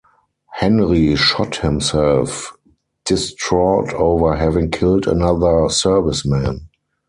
Henry shot himself, distraught over having killed another serviceman.